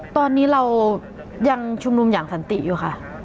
ตอนนี้เรายังชุมนุมอย่างสันติอยู่ค่ะ